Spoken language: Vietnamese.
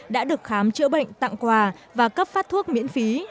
đã được khám chữa bệnh tặng quà và cấp phát thuốc miễn phí